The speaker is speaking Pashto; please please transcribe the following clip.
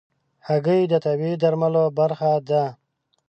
هګۍ د طبيعي درملو برخه ده.